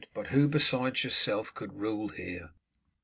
"But who beside yourself could rule here?"